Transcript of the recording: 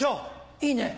いいね。